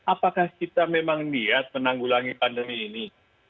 apakah kita memang niat menanggulangi pandemi ini